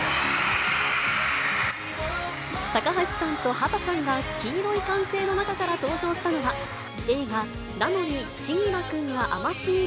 高橋さんと畑さんが黄色い歓声の中から登場したのは、映画、なのに、千輝くんが甘すぎる。